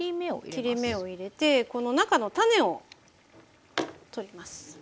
切り目を入れてこの中の種を取ります。